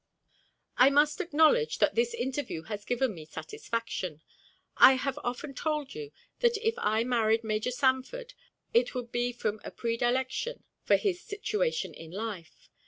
I must acknowledge that this interview has given me satisfaction. I have often told you, that if I married Major Sanford, it would be from a predilection for his situation in life.